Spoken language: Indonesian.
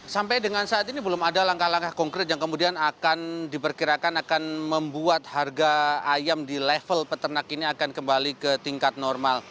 sampai dengan saat ini belum ada langkah langkah konkret yang kemudian akan diperkirakan akan membuat harga ayam di level peternak ini akan kembali ke tingkat normal